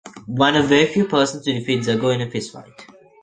One of very few persons to defeat Zagor in a fistfight.